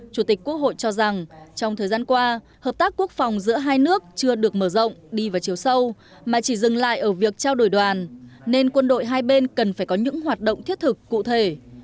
chủ tịch quốc hội cho rằng trong thời gian qua hợp tác quốc phòng giữa hai nước chưa được mở rộng đi vào chiều sâu mà chỉ dừng lại ở việc trao đổi đoàn nên quân đội hai bên cần phải có những hoạt động thiết thực cụ thể